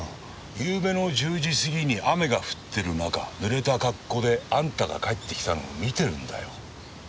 ゆうべの１０時過ぎに雨が降ってる中濡れた格好であんたが帰ってきたのを見てるんだよ。